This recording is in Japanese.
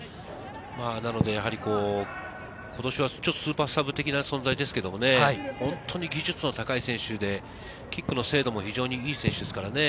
なので、今年はスーパーサブ的な存在ですけれども、本当に技術の高い選手で、キックの精度も非常にいい選手ですからね。